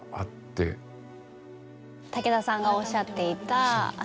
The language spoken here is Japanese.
武田さんがおっしゃっていた。